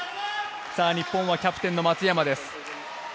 日本はキャプテンの松山です。